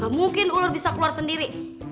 gak mungkin ular bisa keluar sendiri